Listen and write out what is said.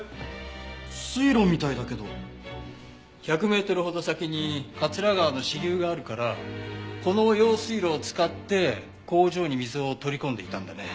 １００メートルほど先に桂川の支流があるからこの用水路を使って工場に水を取り込んでいたんだね。